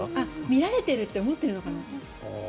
見られてるって思ってるのかな。